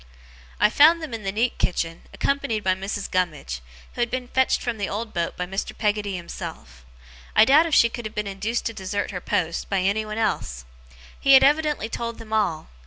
I found them in the neat kitchen, accompanied by Mrs. Gummidge, who had been fetched from the old boat by Mr. Peggotty himself. I doubt if she could have been induced to desert her post, by anyone else. He had evidently told them all.